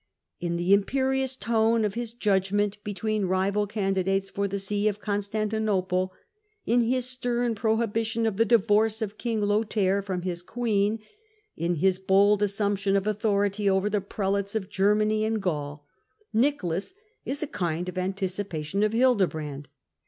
In the imperious tone of his judgment between rival candidates for the see of Coni^iantinople, in his stem prohibition of the divorce of king Lothair from his queen, in his bold as sumption of authority over the prelates of Germany and Qaul, Nicolas is a kind of anticipation of Hildebrand.'